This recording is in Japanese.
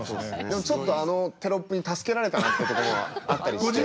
でもちょっとあのテロップに助けられたなってところはあったりして。